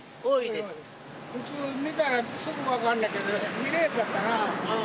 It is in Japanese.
普通、見たらすぐ分かるねんけど、見らへんかったな。